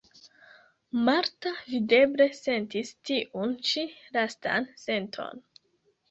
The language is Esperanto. Marta videble sentis tiun ĉi lastan senton.